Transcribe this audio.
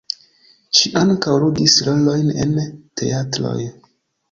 Ŝi ankaŭ ludis rolojn en teatroj.